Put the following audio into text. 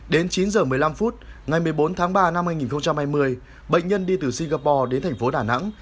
đến chín giờ một mươi năm phút ngày một mươi bốn tháng ba năm hai nghìn hai mươi bệnh nhân đi từ singapore đến thành phố đà nẵng